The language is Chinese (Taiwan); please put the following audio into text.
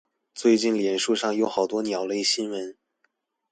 最近臉書上有好多鳥類新聞